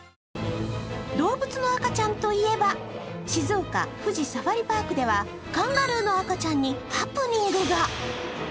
動物の赤ちゃんといえば静岡・富士サファリパークではカンガルーの赤ちゃんにハプニングが。